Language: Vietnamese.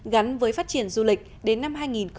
gắn với phát triển du lịch đến năm hai nghìn hai mươi năm